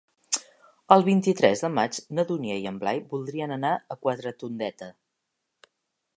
El vint-i-tres de maig na Dúnia i en Blai voldrien anar a Quatretondeta.